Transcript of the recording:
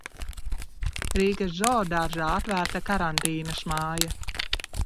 Rīgas zoodārzā atvērta karantīnas māja.